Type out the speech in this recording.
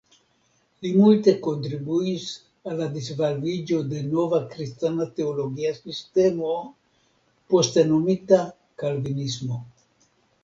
Li multe kontribuis al la disvolviĝo de nova kristana teologia sistemo poste nomita kalvinismo.